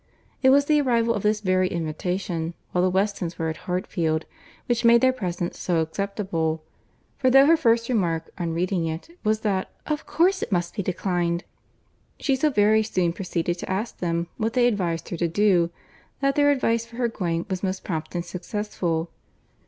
It was the arrival of this very invitation while the Westons were at Hartfield, which made their presence so acceptable; for though her first remark, on reading it, was that "of course it must be declined," she so very soon proceeded to ask them what they advised her to do, that their advice for her going was most prompt and successful.